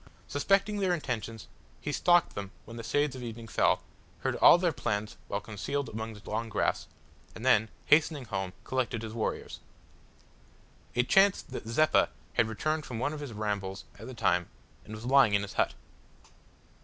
Suspecting their intentions, he stalked them when the shades of evening fell, heard all their plans while concealed among the long grass, and then, hastening home, collected his warriors. It chanced that Zeppa had returned from one of his rambles at the time and was lying in his hut.